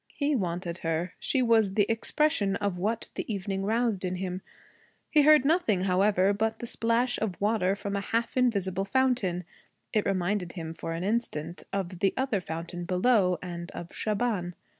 He wanted her. She was the expression of what the evening roused in him. He heard nothing, however, but the splash of water from a half invisible fountain. It reminded him for an instant, of the other fountain, below, and of Shaban.